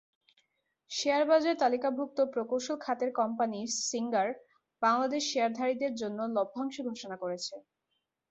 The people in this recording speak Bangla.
শেয়ারবাজারে তালিকাভুক্ত প্রকৌশল খাতের কোম্পানি সিঙ্গার বাংলাদেশ শেয়ারধারীদের জন্য লভ্যাংশ ঘোষণা করেছে।